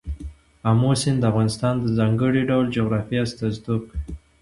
آمو سیند د افغانستان د ځانګړي ډول جغرافیه استازیتوب کوي.